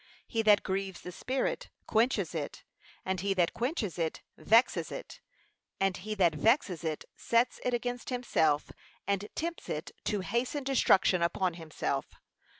He that grieves the Spirit, quenches it; and he that quenches it, vexes it; add he that vexes it, sets it against himself, and tempts it to hasten destruction upon himself.